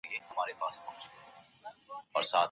د علمي تحقیق اهمیت د ټولنيز اصلاحاتو په برخه کې څرګند دی.